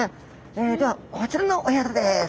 ではこちらのお宿です。